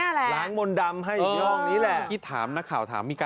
พระอาจารย์ออสบอกว่าอาการของคุณแป๋วผู้เสียหายคนนี้อาจจะเกิดจากหลายสิ่งประกอบกัน